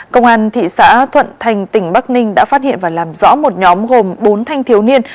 công an thị xã thuận thành tỉnh bắc ninh đã phát hiện và làm rõ một nhóm gồm bốn thanh thiếu niên